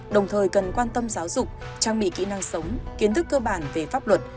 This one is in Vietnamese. đồng thời cần quan tâm giáo dục trang bị kỹ năng sống kiến thức cơ bản về pháp luật